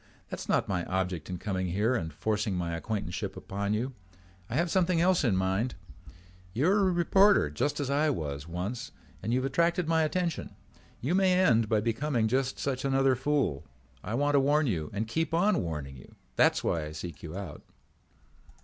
"That is not my object in coming here and forcing my acquaintanceship upon you. I have something else in mind. You are a reporter just as I was once and you have attracted my attention. You may end by becoming just such another fool. I want to warn you and keep on warning you. That's why I seek you out."